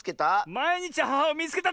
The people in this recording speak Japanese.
「まいにちアハハをみいつけた！」